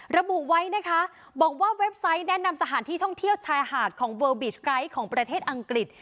ระบุไว้นะคะบอกว่าเว็บไซต์แนะนำสถานที่ท่องเที่ยวชายหาดของเวิลบีชไกด์ของประเทศอังกฤษ